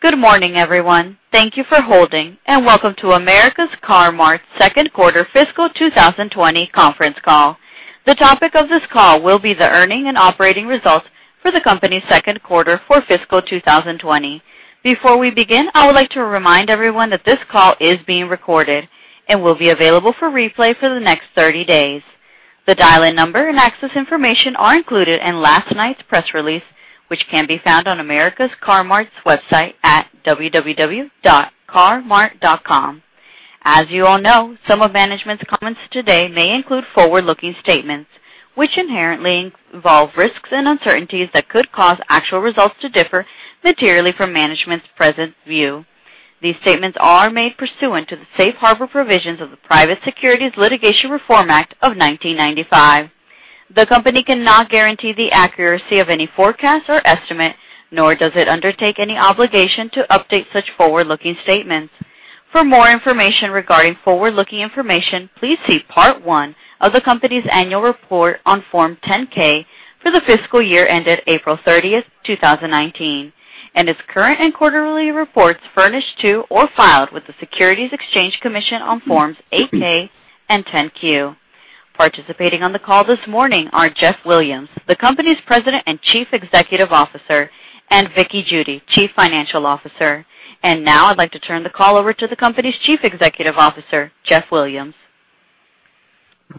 Good morning, everyone. Thank you for holding, and welcome to America's Car-Mart second quarter fiscal 2020 conference call. The topic of this call will be the earnings and operating results for the company's second quarter for fiscal 2020. Before we begin, I would like to remind everyone that this call is being recorded and will be available for replay for the next 30 days. The dial-in number and access information are included in last night's press release, which can be found on America's Car-Mart's website at www.car-mart.com. As you all know, some of management's comments today may include forward-looking statements, which inherently involve risks and uncertainties that could cause actual results to differ materially from management's present view. These statements are made pursuant to the safe harbor provisions of the Private Securities Litigation Reform Act of 1995. The company cannot guarantee the accuracy of any forecast or estimate, nor does it undertake any obligation to update such forward-looking statements. For more information regarding forward-looking information, please see Part one of the company's annual report on Form 10-K for the fiscal year ended April 30th, 2019, and its current and quarterly reports furnished to or filed with the Securities and Exchange Commission on forms 8-K and 10-Q. Participating on the call this morning are Jeff Williams, the company's President and Chief Executive Officer, and Vickie Judy, Chief Financial Officer. Now I'd like to turn the call over to the company's Chief Executive Officer, Jeff Williams.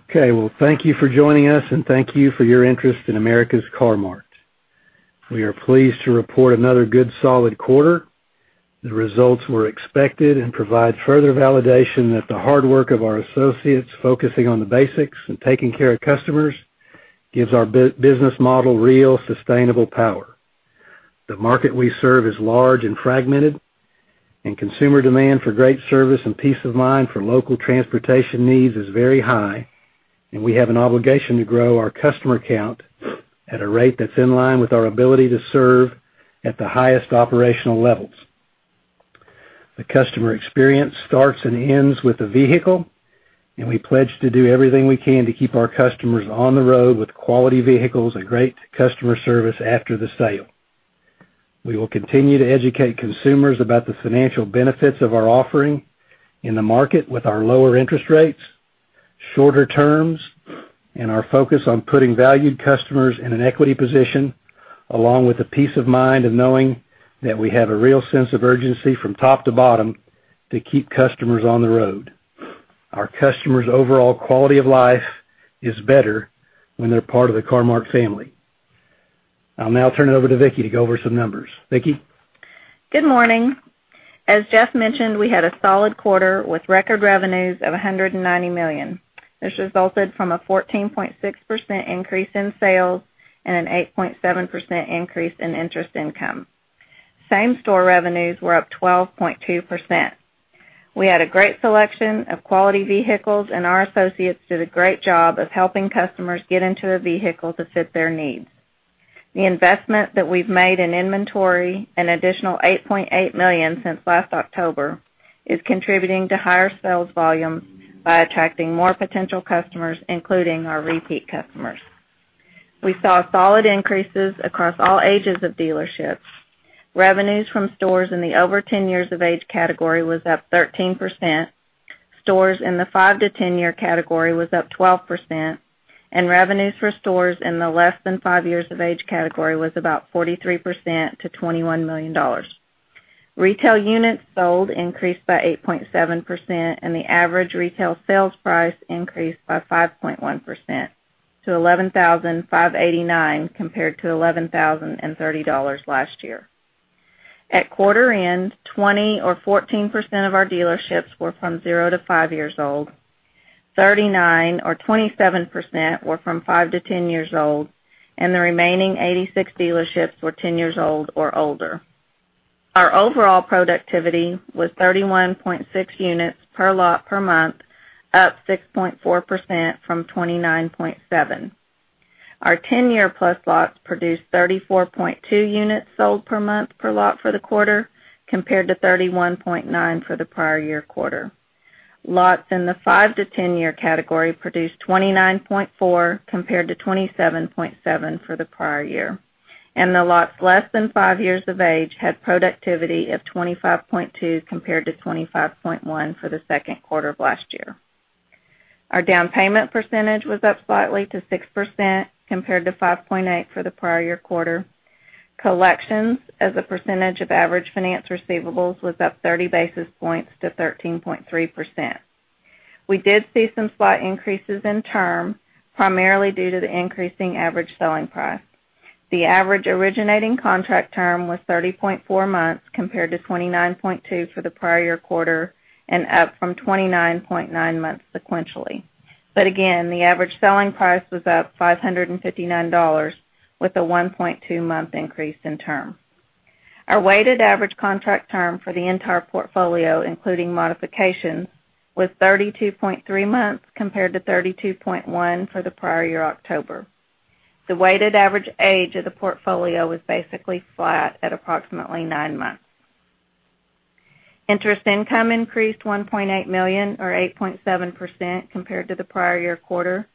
Okay. Well, thank you for joining us, and thank you for your interest in America's Car-Mart. We are pleased to report another good, solid quarter. The results were expected and provide further validation that the hard work of our associates, focusing on the basics and taking care of customers, gives our business model real sustainable power. The market we serve is large and fragmented, and consumer demand for great service and peace of mind for local transportation needs is very high, and we have an obligation to grow our customer count at a rate that's in line with our ability to serve at the highest operational levels. The customer experience starts and ends with the vehicle, and we pledge to do everything we can to keep our customers on the road with quality vehicles and great customer service after the sale. We will continue to educate consumers about the financial benefits of our offering in the market with our lower interest rates, shorter terms, and our focus on putting valued customers in an equity position, along with the peace of mind of knowing that we have a real sense of urgency from top to bottom to keep customers on the road. Our customers' overall quality of life is better when they're part of the Car-Mart family. I'll now turn it over to Vickie to go over some numbers. Vickie? Good morning. As Jeff mentioned, we had a solid quarter with record revenues of $190 million. This resulted from a 14.6% increase in sales and an 8.7% increase in interest income. Same-store revenues were up 12.2%. We had a great selection of quality vehicles, and our associates did a great job of helping customers get into a vehicle to fit their needs. The investment that we've made in inventory, an additional $8.8 million since last October, is contributing to higher sales volumes by attracting more potential customers, including our repeat customers. We saw solid increases across all ages of dealerships. Revenues from stores in the over 10 years of age category was up 13%, stores in the 5 to 10-year category was up 12%, and revenues for stores in the less than 5 years of age category was about 43% to $21 million. Retail units sold increased by 8.7%, and the average retail sales price increased by 5.1% to $11,589 compared to $11,030 last year. At quarter end, 20 or 14% of our dealerships were from zero to five years old, 39 or 27% were from five to 10 years old, and the remaining 86 dealerships were 10 years old or older. Our overall productivity was 31.6 units per lot per month, up 6.4% from 29.7. Our 10-year-plus lots produced 34.2 units sold per month per lot for the quarter, compared to 31.9 for the prior year quarter. Lots in the five to 10-year category produced 29.4 compared to 27.7 for the prior year. The lots less than five years of age had productivity of 25.2 compared to 25.1 for the second quarter of last year. Our down payment percentage was up slightly to 6% compared to 5.8% for the prior year quarter. Collections as a percentage of average finance receivables was up 30 basis points to 13.3%. We did see some slight increases in term, primarily due to the increasing average selling price. The average originating contract term was 30.4 months compared to 29.2 for the prior year quarter and up from 29.9 months sequentially. Again, the average selling price was up $559 with a 1.2-month increase in term. Our weighted average contract term for the entire portfolio, including modifications, was 32.3 months compared to 32.1 for the prior year October. The weighted average age of the portfolio was basically flat at approximately nine months. Interest income increased $1.8 million, or 8.7%, compared to the prior year quarter,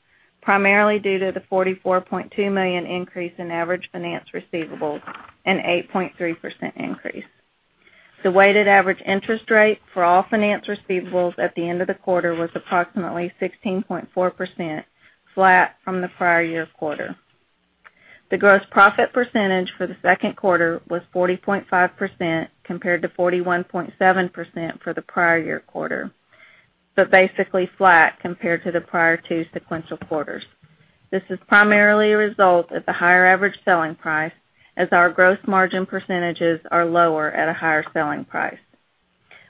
primarily due to the $44.2 million increase in average finance receivables, an 8.3% increase. The weighted average interest rate for all finance receivables at the end of the quarter was approximately 16.4%, flat from the prior year quarter. The gross profit percentage for the second quarter was 40.5%, compared to 41.7% for the prior year quarter, basically flat compared to the prior two sequential quarters. This is primarily a result of the higher average selling price, as our gross margin percentages are lower at a higher selling price.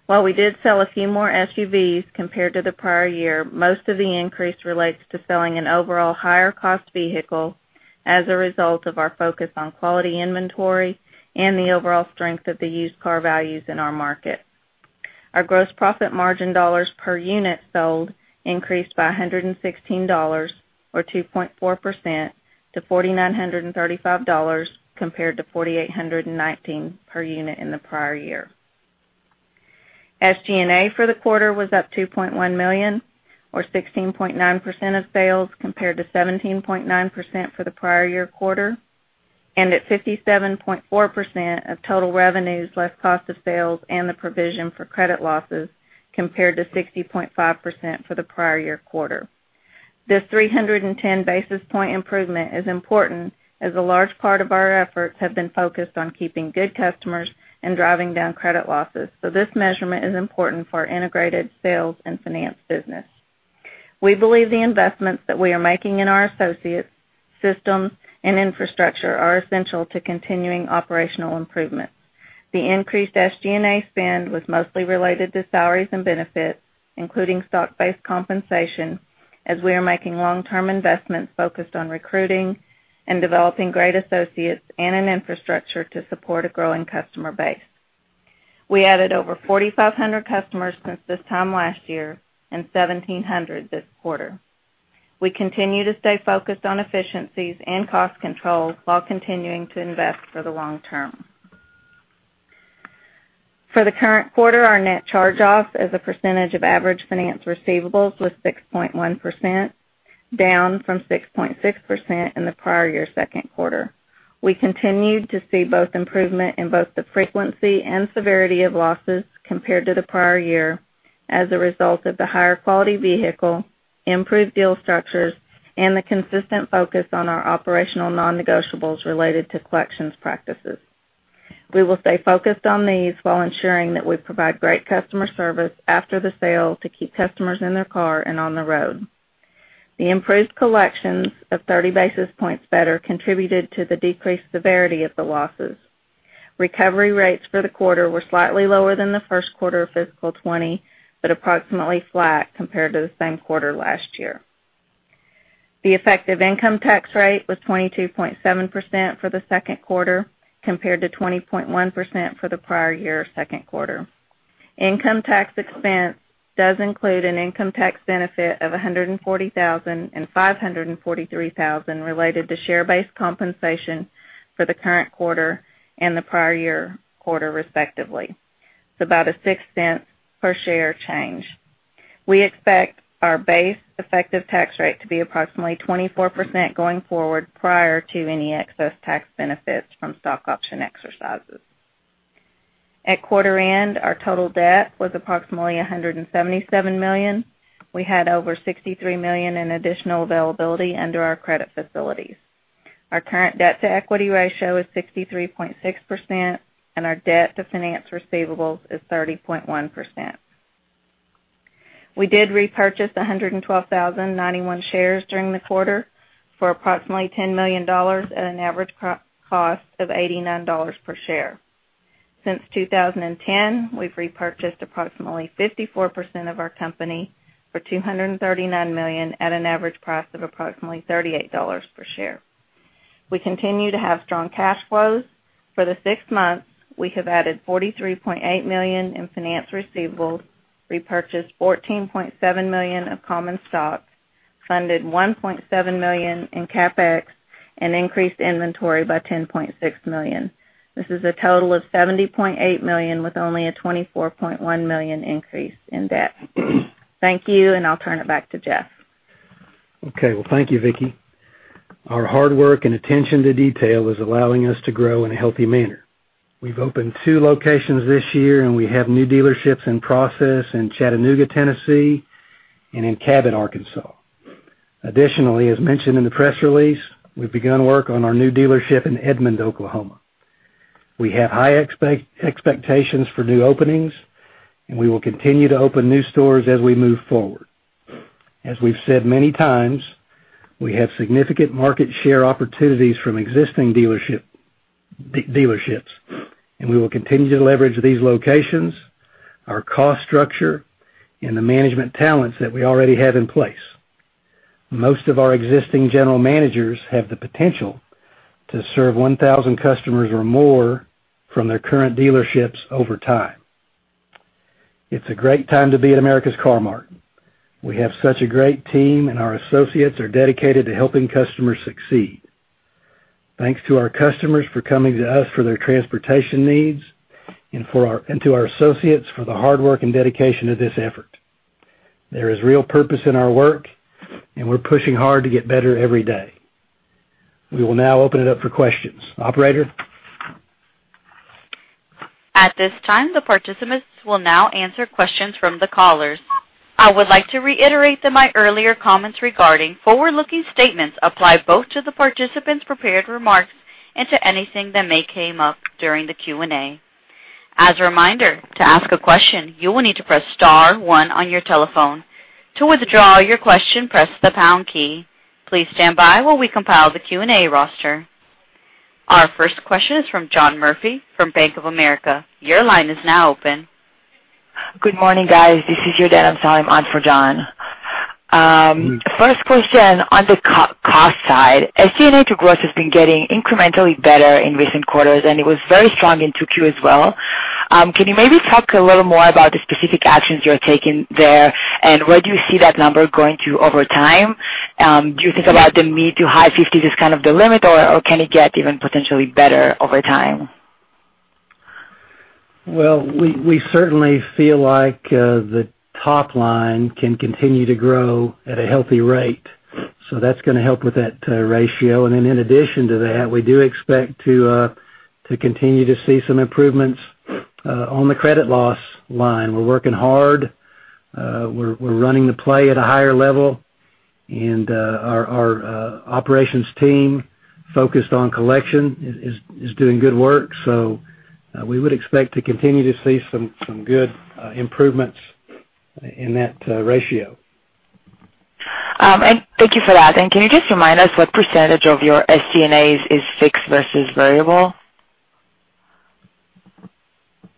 While we did sell a few more SUVs compared to the prior year, most of the increase relates to selling an overall higher cost vehicle as a result of our focus on quality inventory and the overall strength of the used car values in our market. Our gross profit margin dollars per unit sold increased by $116, or 2.4%, to $4,935, compared to $4,819 per unit in the prior year. SG&A for the quarter was up $2.1 million, or 16.9% of sales, compared to 17.9% for the prior year quarter, and at 57.4% of total revenues less cost of sales and the provision for credit losses, compared to 60.5% for the prior year quarter. This 310 basis point improvement is important as a large part of our efforts have been focused on keeping good customers and driving down credit losses. This measurement is important for our integrated sales and finance business. We believe the investments that we are making in our associates, systems, and infrastructure are essential to continuing operational improvements. The increased SG&A spend was mostly related to salaries and benefits, including stock-based compensation, as we are making long-term investments focused on recruiting and developing great associates and an infrastructure to support a growing customer base. We added over 4,500 customers since this time last year, and 1,700 this quarter. We continue to stay focused on efficiencies and cost controls while continuing to invest for the long term. For the current quarter, our net charge-offs as a percentage of average finance receivables was 6.1%, down from 6.6% in the prior year second quarter. We continued to see both improvement in both the frequency and severity of losses compared to the prior year as a result of the higher quality vehicle, improved deal structures, and the consistent focus on our operational non-negotiables related to collections practices. We will stay focused on these while ensuring that we provide great customer service after the sale to keep customers in their car and on the road. The improved collections of 30 basis points better contributed to the decreased severity of the losses. Recovery rates for the quarter were slightly lower than the first quarter of fiscal 2020, but approximately flat compared to the same quarter last year. The effective income tax rate was 22.7% for the second quarter, compared to 20.1% for the prior year second quarter. Income tax expense does include an income tax benefit of $140,000 and $543,000 related to share-based compensation for the current quarter and the prior year quarter, respectively, so about a $0.06 per share change. We expect our base effective tax rate to be approximately 24% going forward prior to any excess tax benefits from stock option exercises. At quarter end, our total debt was approximately $177 million. We had over $63 million in additional availability under our credit facilities. Our current debt-to-equity ratio is 63.6%, and our debt to finance receivables is 30.1%. We did repurchase 112,091 shares during the quarter for approximately $10 million at an average cost of $89 per share. Since 2010, we've repurchased approximately 54% of our company for $239 million at an average price of approximately $38 per share. We continue to have strong cash flows. For the six months, we have added $43.8 million in finance receivables, repurchased $14.7 million of common stock, funded $1.7 million in CapEx, and increased inventory by $10.6 million. This is a total of $70.8 million with only a $24.1 million increase in debt. Thank you, and I'll turn it back to Jeff. Okay. Well, thank you, Vickie. Our hard work and attention to detail is allowing us to grow in a healthy manner. We've opened two locations this year, and we have new dealerships in process in Chattanooga, Tennessee, and in Cabot, Arkansas. Additionally, as mentioned in the press release, we've begun work on our new dealership in Edmond, Oklahoma. We have high expectations for new openings, and we will continue to open new stores as we move forward. As we've said many times, we have significant market share opportunities from existing dealerships, and we will continue to leverage these locations, our cost structure, and the management talents that we already have in place. Most of our existing general managers have the potential to serve 1,000 customers or more from their current dealerships over time. It's a great time to be at America's Car-Mart. We have such a great team, and our associates are dedicated to helping customers succeed. Thanks to our customers for coming to us for their transportation needs, and to our associates for the hard work and dedication to this effort. There is real purpose in our work, and we're pushing hard to get better every day. We will now open it up for questions. Operator? At this time, the participants will now answer questions from the callers. I would like to reiterate that my earlier comments regarding forward-looking statements apply both to the participants' prepared remarks and to anything that may come up during the Q&A. As a reminder, to ask a question, you will need to press star one on your telephone. To withdraw your question, press the pound key. Please stand by while we compile the Q&A roster. Our first question is from John Murphy from Bank of America. Your line is now open. Good morning, guys. This is Jordana Sinom on for John. First question on the cost side, SG&A to gross has been getting incrementally better in recent quarters, and it was very strong in 2Q as well. Can you maybe talk a little more about the specific actions you're taking there and where do you see that number going to over time? Do you think about the mid-to-high 50s as kind of the limit, or can it get even potentially better over time? Well, we certainly feel like the top line can continue to grow at a healthy rate. That's going to help with that ratio. In addition to that, we do expect to continue to see some improvements on the credit loss line. We're working hard. We're running the play at a higher level, and our operations team focused on collection is doing good work. We would expect to continue to see some good improvements in that ratio. Thank you for that. Can you just remind us what % of your SG&A is fixed versus variable?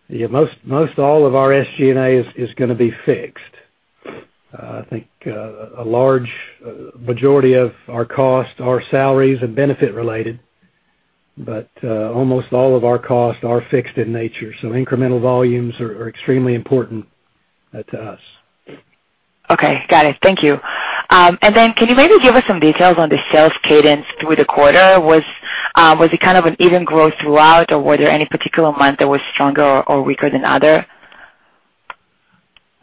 Yeah, most all of our SG&A is going to be fixed. I think a large majority of our costs are salaries and benefit related, but almost all of our costs are fixed in nature. Incremental volumes are extremely important to us. Okay, got it. Thank you. Can you maybe give us some details on the sales cadence through the quarter? Was it kind of an even growth throughout, or were there any particular month that was stronger or weaker than others?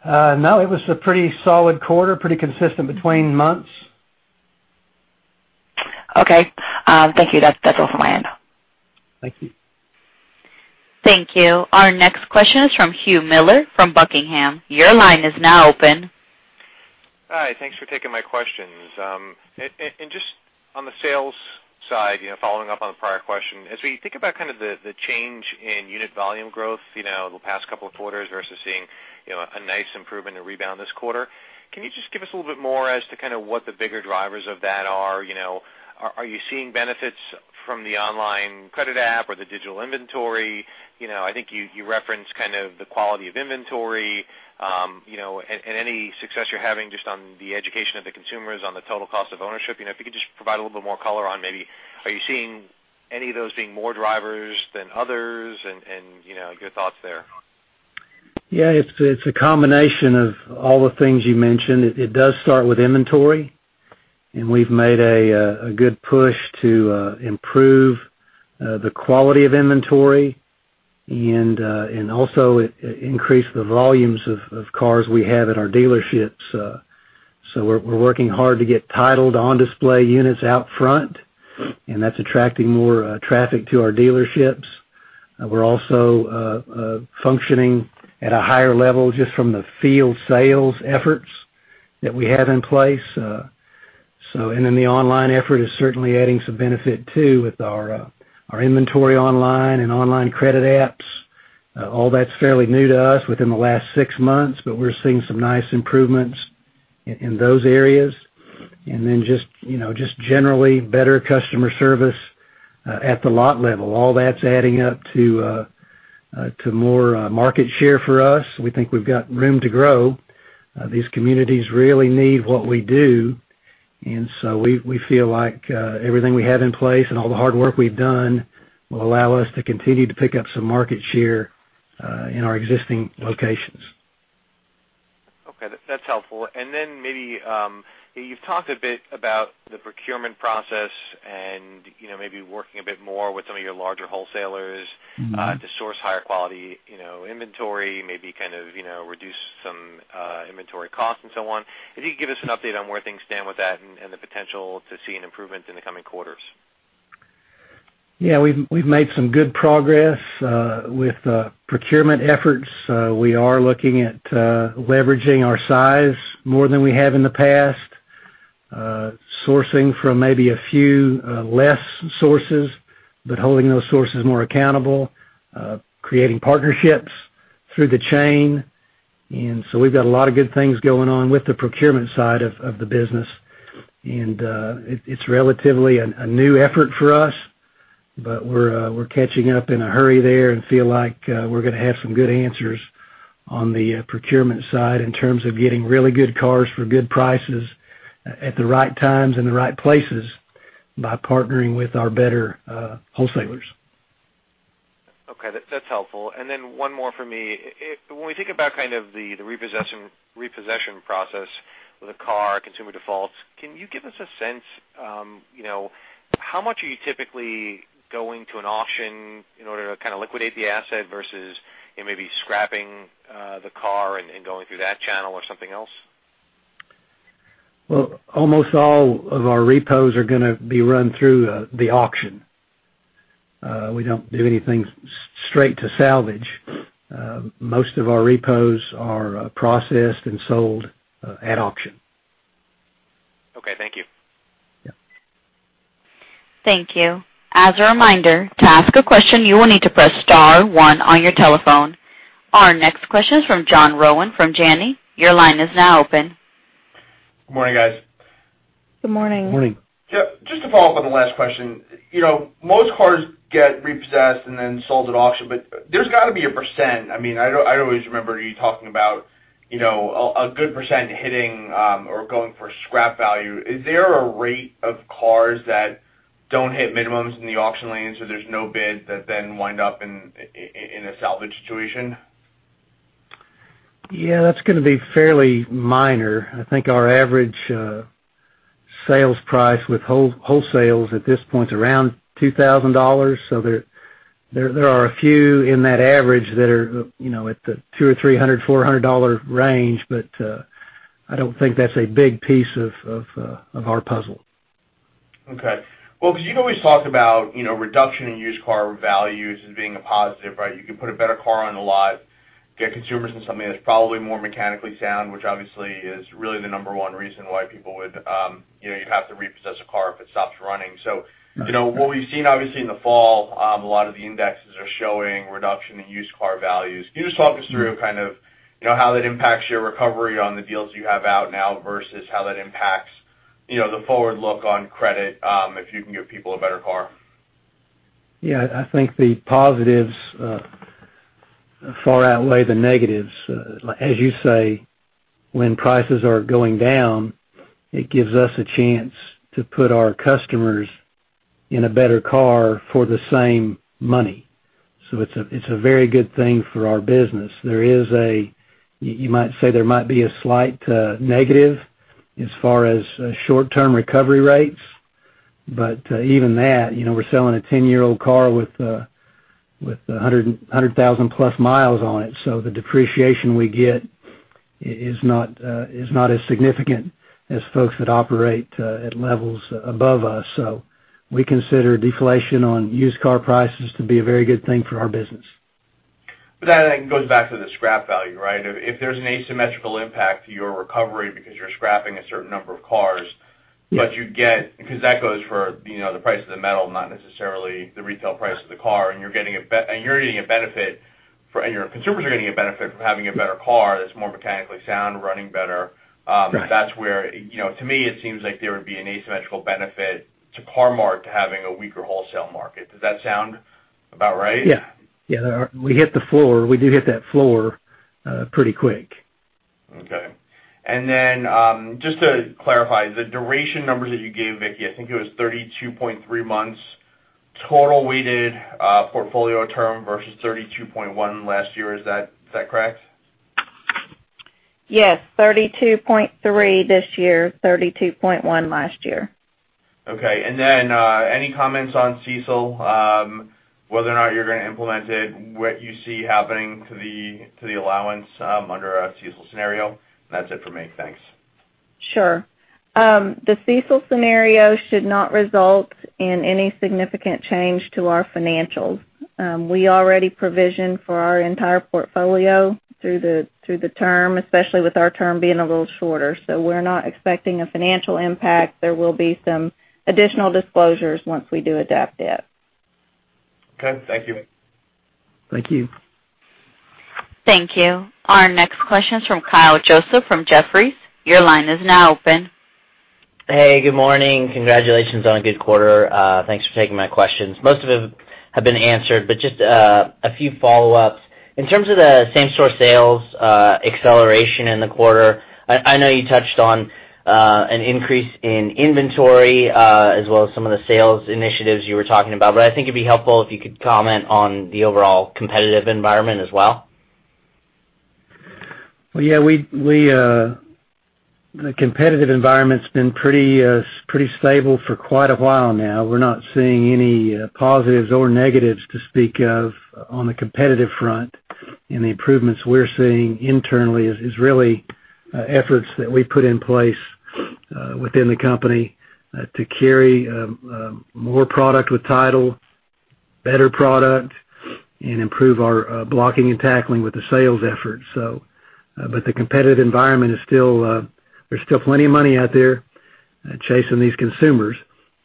No, it was a pretty solid quarter, pretty consistent between months. Okay. Thank you. That's all from my end. Thank you. Thank you. Our next question is from Hugh Miller from Buckingham. Your line is now open. Hi. Thanks for taking my questions. Just on the sales side, following up on the prior question, as we think about kind of the change in unit volume growth, the past couple of quarters versus seeing a nice improvement and rebound this quarter, can you just give us a little bit more as to kind of what the bigger drivers of that are? Are you seeing benefits from the online credit app or the digital inventory? I think you referenced kind of the quality of inventory, and any success you're having just on the education of the consumers on the total cost of ownership. If you could just provide a little bit more color on maybe are you seeing any of those being more drivers than others and your thoughts there? Yeah, it's a combination of all the things you mentioned. It does start with inventory, and we've made a good push to improve the quality of inventory and also increase the volumes of cars we have at our dealerships. We're working hard to get titled on-display units out front, and that's attracting more traffic to our dealerships. We're also functioning at a higher level just from the field sales efforts that we have in place. The online effort is certainly adding some benefit, too, with our inventory online and online credit apps. All that's fairly new to us within the last six months, but we're seeing some nice improvements in those areas. Just generally better customer service at the lot level. All that's adding up to more market share for us. We think we've got room to grow. These communities really need what we do, and so we feel like everything we have in place and all the hard work we've done will allow us to continue to pick up some market share in our existing locations. Okay, that's helpful. Maybe, you've talked a bit about the procurement process and maybe working a bit more with some of your larger wholesalers to source higher quality inventory, maybe kind of reduce some inventory costs and so on. If you could give us an update on where things stand with that and the potential to see an improvement in the coming quarters. Yeah, we've made some good progress with procurement efforts. We are looking at leveraging our size more than we have in the past. Sourcing from maybe a few less sources, but holding those sources more accountable, creating partnerships through the chain. We've got a lot of good things going on with the procurement side of the business. It's relatively a new effort for us, but we're catching up in a hurry there and feel like we're going to have some good answers on the procurement side in terms of getting really good cars for good prices at the right times and the right places by partnering with our better wholesalers. Okay, that's helpful. One more from me. When we think about kind of the repossession process with a car, consumer defaults, can you give us a sense, how much are you typically going to an auction in order to kind of liquidate the asset versus maybe scrapping the car and going through that channel or something else? Well, almost all of our repos are going to be run through the auction. We don't do anything straight to salvage. Most of our repos are processed and sold at auction. Okay, thank you. Yeah. Thank you. As a reminder, to ask a question, you will need to press star one on your telephone. Our next question is from John Rowan from Janney. Your line is now open. Good morning, guys. Good morning. Morning. Yeah. Just to follow up on the last question. Most cars get repossessed and then sold at auction, but there's got to be a percent. I always remember you talking about a good percent hitting or going for scrap value. Is there a rate of cars that don't hit minimums in the auction lanes, so there's no bid that then wind up in a salvage situation? Yeah, that's going to be fairly minor. I think our average sales price with wholesales at this point is around $2,000. There are a few in that average that are at the $200 or $300, $400 range, but I don't think that's a big piece of our puzzle. Okay. Well, because you've always talked about reduction in used car values as being a positive, right? You can put a better car on the lot, get consumers in something that's probably more mechanically sound, which obviously is really the number one reason why people you'd have to repossess a car if it stops running. What we've seen, obviously, in the fall, a lot of the indexes are showing reduction in used car values. Can you just talk us through kind of how that impacts your recovery on the deals you have out now versus how that impacts the forward look on credit if you can give people a better car? Yeah, I think the positives far outweigh the negatives. As you say, when prices are going down, it gives us a chance to put our customers in a better car for the same money. It's a very good thing for our business. You might say there might be a slight negative as far as short-term recovery rates. Even that, we're selling a 10-year-old car with 100,000-plus miles on it. The depreciation we get is not as significant as folks that operate at levels above us. We consider deflation on used car prices to be a very good thing for our business. That goes back to the scrap value, right? If there's an asymmetrical impact to your recovery because you're scrapping a certain number of cars, because that goes for the price of the metal, not necessarily the retail price of the car, and you're getting a benefit, and your consumers are getting a benefit from having a better car that's more mechanically sound, running better. Right. That's where, to me, it seems like there would be an asymmetrical benefit to Car-Mart to having a weaker wholesale market. Does that sound about right? Yeah. We hit the floor. We do hit that floor pretty quick. Okay. Just to clarify, the duration numbers that you gave, Vickie, I think it was 32.3 months total weighted portfolio term versus 32.1 last year. Is that correct? Yes. 32.3 this year, 32.1 last year. Okay. Any comments on CECL, whether or not you're going to implement it, what you see happening to the allowance under a CECL scenario? That's it for me. Thanks. Sure. The CECL scenario should not result in any significant change to our financials. We already provisioned for our entire portfolio through the term, especially with our term being a little shorter. We're not expecting a financial impact. There will be some additional disclosures once we do adopt it. Okay, thank you. Thank you. Thank you. Our next question is from Kyle Joseph from Jefferies. Your line is now open. Hey, good morning. Congratulations on a good quarter. Thanks for taking my questions. Most of them have been answered, but just a few follow-ups. In terms of the same-store sales acceleration in the quarter, I know you touched on an increase in inventory as well as some of the sales initiatives you were talking about, but I think it'd be helpful if you could comment on the overall competitive environment as well. Well, yeah, the competitive environment's been pretty stable for quite a while now. We're not seeing any positives or negatives to speak of on the competitive front. The improvements we're seeing internally is really efforts that we've put in place within the company to carry more product with title, better product, and improve our blocking and tackling with the sales efforts. The competitive environment is still, there's still plenty of money out there chasing these consumers,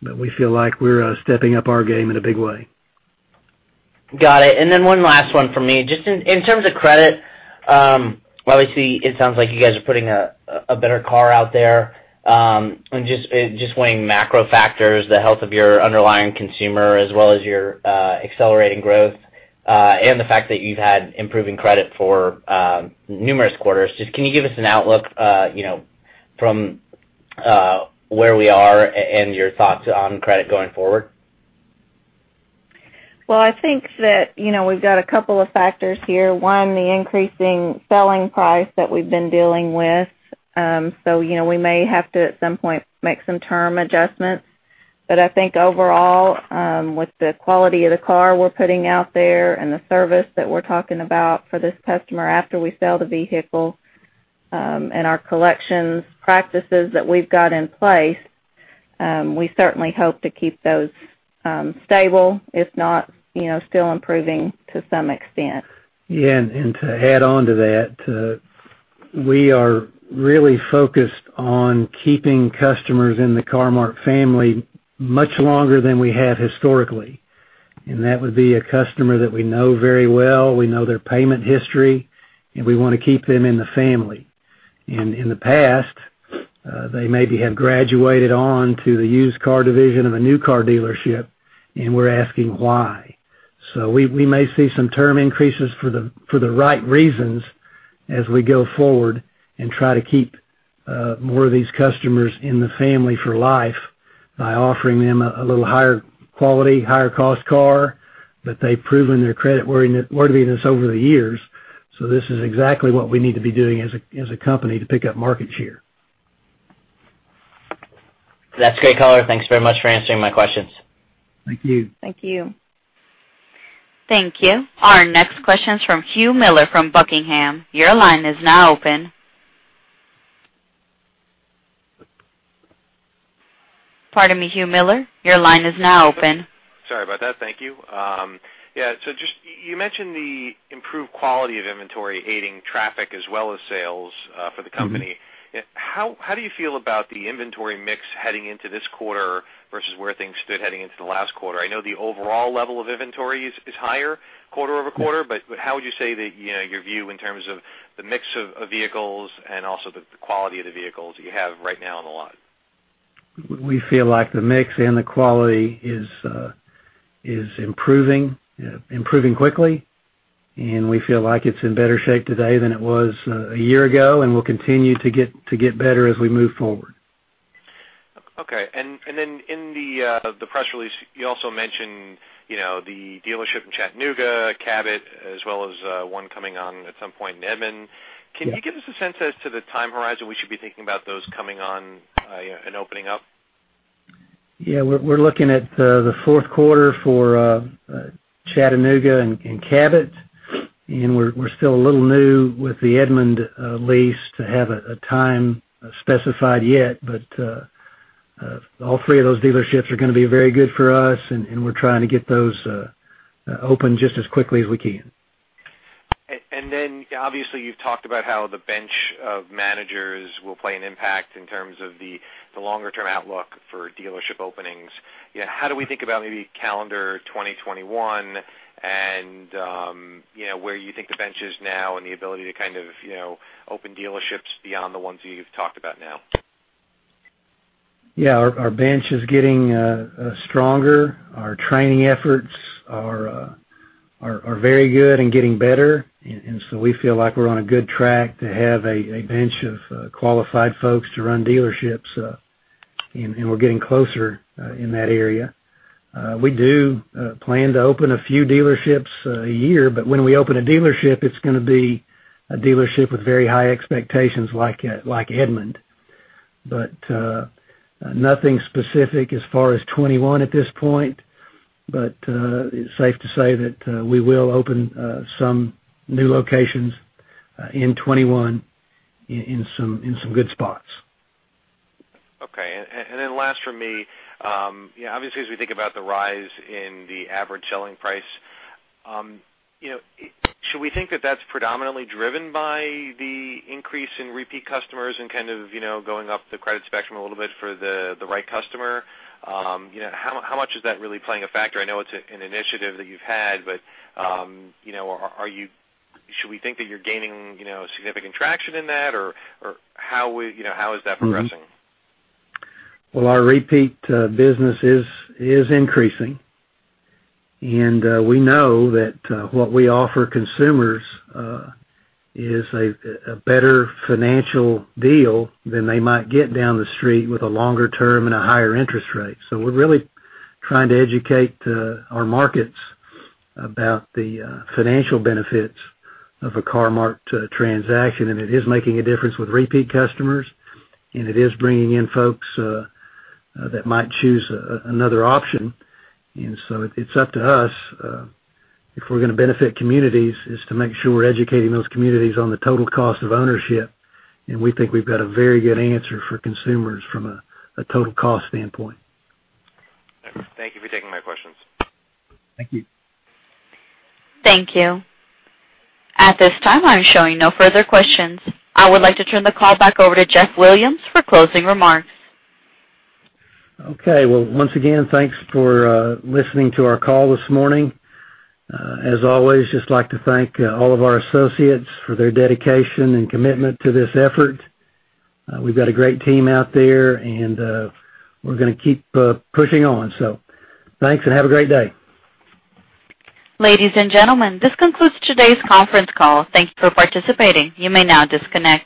but we feel like we're stepping up our game in a big way. Got it. Then one last one for me. Just in terms of credit, obviously, it sounds like you guys are putting a better car out there. Just weighing macro factors, the health of your underlying consumer as well as your accelerating growth, and the fact that you've had improving credit for numerous quarters, just can you give us an outlook from where we are and your thoughts on credit going forward? I think that we've got a couple of factors here. One, the increasing selling price that we've been dealing with. We may have to, at some point, make some term adjustments. I think overall, with the quality of the car we're putting out there and the service that we're talking about for this customer after we sell the vehicle, and our collections practices that we've got in place, we certainly hope to keep those stable, if not still improving to some extent. Yeah, to add on to that, we are really focused on keeping customers in the Car-Mart family much longer than we have historically. That would be a customer that we know very well, we know their payment history, and we want to keep them in the family. In the past, they maybe have graduated on to the used car division of a new car dealership, and we're asking why. We may see some term increases for the right reasons as we go forward and try to keep more of these customers in the family for life by offering them a little higher quality, higher cost car, but they've proven their credit worthiness over the years. This is exactly what we need to be doing as a company to pick up market share. That's great color. Thanks very much for answering my questions. Thank you. Thank you. Thank you. Our next question's from Hugh Miller from Buckingham. Your line is now open. Pardon me, Hugh Miller, your line is now open. Sorry about that. Thank you. Yeah, just, you mentioned the improved quality of inventory aiding traffic as well as sales for the company. How do you feel about the inventory mix heading into this quarter versus where things stood heading into the last quarter? I know the overall level of inventory is higher quarter-over-quarter, how would you say that your view in terms of the mix of vehicles and also the quality of the vehicles you have right now on the lot? We feel like the mix and the quality is improving quickly. We feel like it's in better shape today than it was a year ago, and will continue to get better as we move forward. Okay. Then in the press release, you also mentioned the dealership in Chattanooga, Cabot, as well as one coming on at some point in Edmond. Yeah. Can you give us a sense as to the time horizon we should be thinking about those coming on and opening up? Yeah. We're looking at the fourth quarter for Chattanooga and Cabot. We're still a little new with the Edmond lease to have a time specified yet. All three of those dealerships are going to be very good for us, and we're trying to get those open just as quickly as we can. Obviously you've talked about how the bench of managers will play an impact in terms of the longer term outlook for dealership openings. How do we think about maybe calendar 2021, and where you think the bench is now, and the ability to kind of open dealerships beyond the ones you've talked about now? Yeah, our bench is getting stronger. Our training efforts are very good and getting better. We feel like we're on a good track to have a bench of qualified folks to run dealerships, and we're getting closer in that area. We do plan to open a few dealerships a year, but when we open a dealership, it's going to be a dealership with very high expectations like Edmond. Nothing specific as far as 2021 at this point, but it's safe to say that we will open some new locations in 2021 in some good spots. Okay. Last from me. Obviously as we think about the rise in the average selling price, should we think that that's predominantly driven by the increase in repeat customers and kind of going up the credit spectrum a little bit for the right customer? How much is that really playing a factor? I know it's an initiative that you've had, but should we think that you're gaining significant traction in that, or how is that progressing? Well, our repeat business is increasing. We know that what we offer consumers is a better financial deal than they might get down the street with a longer term and a higher interest rate. We're really trying to educate our markets about the financial benefits of a Car-Mart transaction, and it is making a difference with repeat customers, and it is bringing in folks that might choose another option. It's up to us, if we're going to benefit communities, is to make sure we're educating those communities on the total cost of ownership, and we think we've got a very good answer for consumers from a total cost standpoint. Thank you for taking my questions. Thank you. Thank you. At this time, I'm showing no further questions. I would like to turn the call back over to Jeff Williams for closing remarks. Okay. Well, once again, thanks for listening to our call this morning. As always, just like to thank all of our associates for their dedication and commitment to this effort. We've got a great team out there, and we're going to keep pushing on. Thanks, and have a great day. Ladies and gentlemen, this concludes today's conference call. Thank you for participating. You may now disconnect.